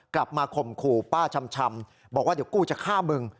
กลับมาคมคู่ป้าชำบอกว่าเดี๋ยวกูจะฆ่ามึง